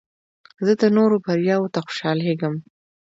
زه د نورو بریاوو ته خوشحالیږم.